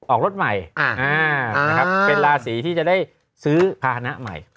ออกรถใหม่เป็นราศีที่จะได้ซื้อภาษณะใหม่